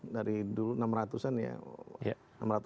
dari dulu enam ratus an ya